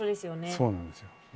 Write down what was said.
そうなんですよ